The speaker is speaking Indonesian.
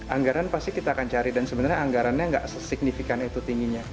anggaran pasti kita akan cari dan sebenarnya anggarannya nggak sesignifikan itu tingginya